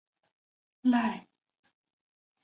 赖恩镇区为美国堪萨斯州索姆奈县辖下的镇区。